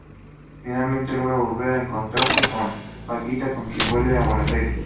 Finalmente logra volver a encontrarse con Paquita, con quien vuelve a Buenos Aires.